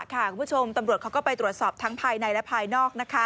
คุณผู้ชมตำรวจเขาก็ไปตรวจสอบทั้งภายในและภายนอก